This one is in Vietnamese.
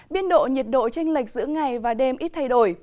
biên độ nhiệt độ tranh lệch giữa ngày và đêm ít thay đổi